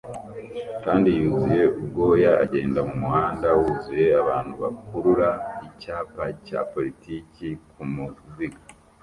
kandi yuzuye ubwoya agenda mumuhanda wuzuye abantu bakurura icyapa cya politiki kumuziga